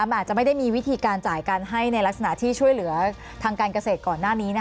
มันอาจจะไม่ได้มีวิธีการจ่ายกันให้ในลักษณะที่ช่วยเหลือทางการเกษตรก่อนหน้านี้